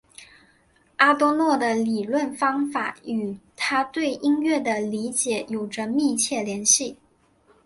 阿多诺的理论方法与他对音乐的理解有着密切联系。